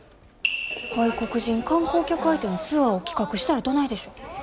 外国人観光客相手のツアーを企画したらどないでしょう？